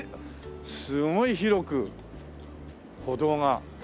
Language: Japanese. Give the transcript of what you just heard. すごい広く歩道が。